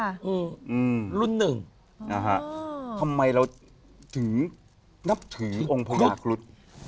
อืมรุ่นหนึ่งอ่าฮะทำไมเราถึงนับถึงที่องค์พระกาศครุฑ